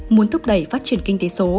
muốn thúc đẩy phát triển kinh tế số